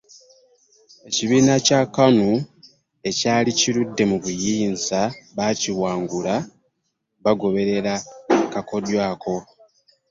Ekibiina kya KANU ekyali kirudde mu buyinza baakiwangula bagoberera kakodyo ako.